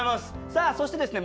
さあそしてですね